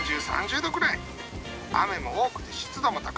雨も多くて湿度も高い。